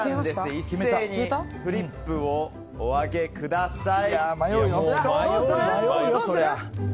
一斉にフリップをお上げください。